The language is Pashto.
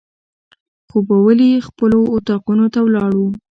خوبولي خپلو اطاقونو ته ولاړو.